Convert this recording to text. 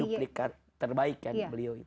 duplikat terbaik kan beliau itu